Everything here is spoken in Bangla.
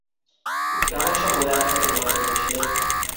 কেমন সব বই আনা হবে তোমার জন্যে, শেলেট।